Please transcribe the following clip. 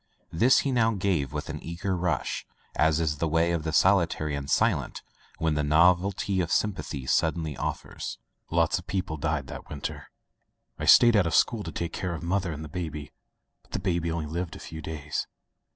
This he now gave with an eager rush, as is the way of the solitary and silent when the novelty of sympathy suddenly offers. "Lots of people died that winter. I stayed out of school to take care of mother and the baby, but the baby only lived a few days.